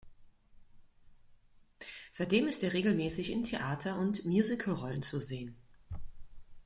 Seitdem ist er regelmäßig in Theater- und Musical-Rollen zu sehen.